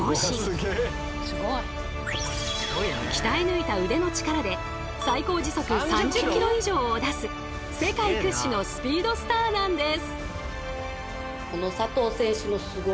鍛え抜いた腕の力で最高時速３０ｋｍ以上を出す世界屈指のスピードスターなんです。